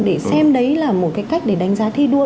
để xem đấy là một cái cách để đánh giá thi đua